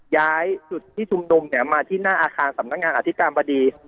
ย้ายจุดที่ชุมนุมเนี่ยมาที่หน้าอาคารสำนักงานอธิการบดี